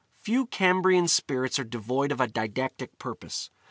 452. VI. Few Cambrian spirits are devoid of a didactic purpose.